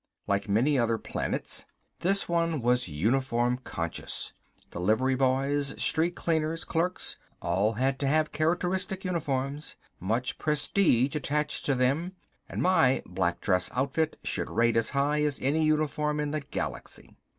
Like many other planets, this one was uniform conscious. Delivery boys, street cleaners, clerks all had to have characteristic uniforms. Much prestige attached to them, and my black dress outfit should rate as high as any uniform in the galaxy.